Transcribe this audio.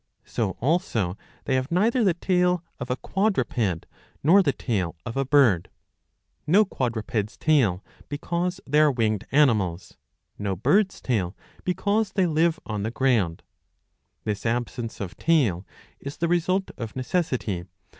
'*^ So also they have neither the tail of a quadruped nor the tail of a bird ; no quadruped's tail, because they are winged animals ; no bird's tail, because they live on the ground. This absence of tail is the result of necessity.